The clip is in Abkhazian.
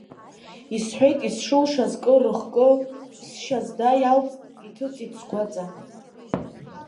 Исҳәеит ишсылшоз кыр рыхкы, сшьа-сда иалҵт, иҭыҵит сгәаҵа.